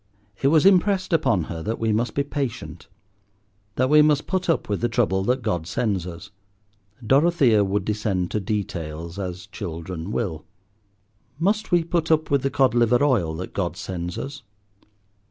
It was impressed upon her that we must be patient, that we must put up with the trouble that God sends us. Dorothea would descend to details, as children will. "Must we put up with the cod liver oil that God sends us?"